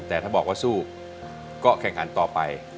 แต่ถ้าบอกว่าสู้ก็แข่งขันต่อไป